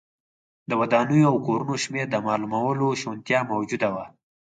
د ودانیو او کورونو شمېر د معلومولو شونتیا موجوده وه.